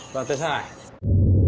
suara ini tinggi